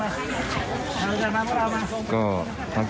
มาลงกันมามา